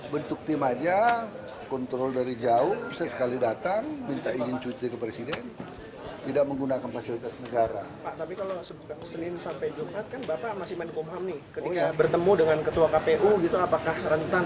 pak tapi kalau seminggu sampai jumat kan bapak masih menekomam nih ketika bertemu dengan ketua kpu gitu apakah rentan